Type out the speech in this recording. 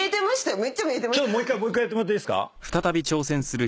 ちょっともう１回やってもらっていいっすか？